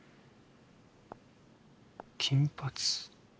金髪。